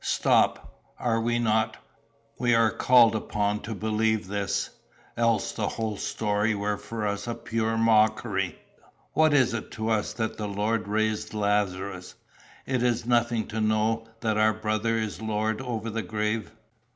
Stop! Are we not? We are called upon to believe this; else the whole story were for us a poor mockery. What is it to us that the Lord raised Lazarus? Is it nothing to know that our Brother is Lord over the grave?